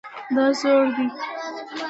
دا زوړ دی